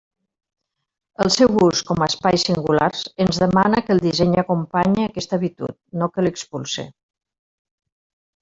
El seu ús com a espais singulars ens demana que el disseny acompanye aquesta habitud, no que l'expulse.